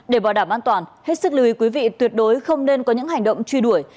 để bảo đảm an toàn hết sức lưu ý quý vị tuyệt đối không nên có những hành động truy đuổi